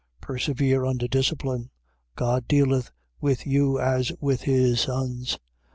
12:7. Persevere under discipline. God dealeth with you as with his sons.